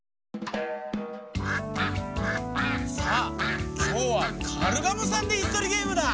さあきょうはカルガモさんでいすとりゲームだ。